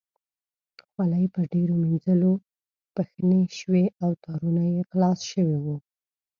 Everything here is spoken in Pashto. خولۍ په ډېرو مینځلو پښنې شوې او تارونه یې خلاص شوي وو.